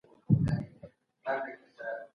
که انلاین منابع وي، زده کوونکي مختلف لیدلوري پېژني.